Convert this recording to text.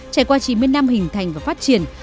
trải qua chí miên nam hình thành và phát triển